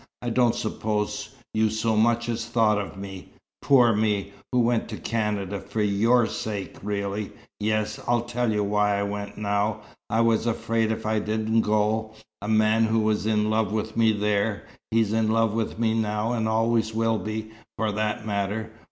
I don't suppose you so much as thought of me poor me, who went to Canada for your sake really. Yes! I'll tell you why I went now. I was afraid if I didn't go, a man who was in love with me there he's in love with me now and always will be, for that matter!